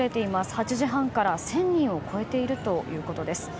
８時半から１０００人を超えているということです。